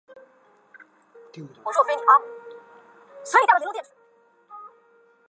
亦是无线电视基本艺人合约男艺员。